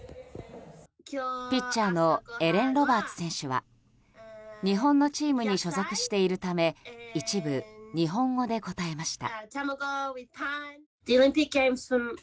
ピッチャーのエレン・ロバーツ選手は日本のチームに所属しているため一部、日本語で答えました。